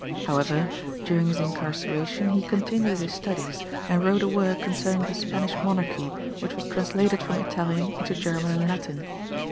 However, during his incarceration he continued his studies, and wrote a work concerning the Spanish monarchy which was translated from Italian into German and Latin.